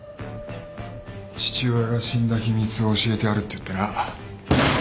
「父親が死んだ秘密を教えてやる」って言ってな。